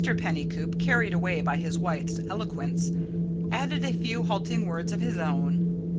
Pennycoop, carried away by his wife's eloquence, added a few halting words of his own.